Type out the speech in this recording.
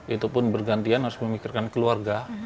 itu pun bergantian harus memikirkan keluarga